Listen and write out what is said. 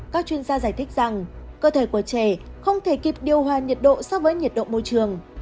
các chuyên gia giải thích rằng cơ thể của trẻ không thể kịp điều hòa nhiệt độ so với nhiệt độ môi trường